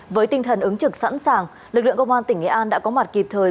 với tinh thần ứng trực sẵn sàng lực lượng công an tỉnh nghệ an đã có mặt kịp thời